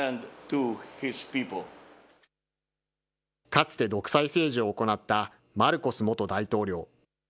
かつて独裁政治を行ったマルコス元大統領。